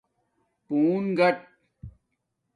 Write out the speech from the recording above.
پُون گاٹ